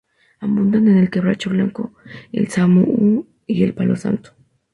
Abundan el quebracho blanco, el samu’u y palo santo.